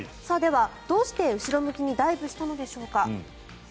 では、どうして後ろ向きにダイブしたのでしょうか。